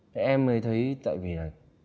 thì em mới thấy tại vì là